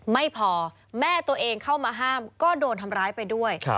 ไม่พอแม่ตัวเองเข้ามาห้ามก็โดนทำร้ายไปด้วย